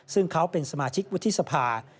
ซึ่งเขาเป็นสมาชิกวุฒิสภา